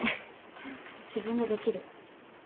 自分でできる。